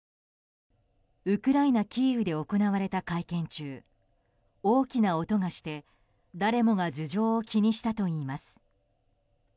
ウクライナ・キーウで行われた会見中大きな音がして、誰もが頭上を気にしたといいます。